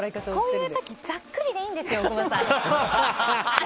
こういう時ざっくりでいいんですよ、大久保さん。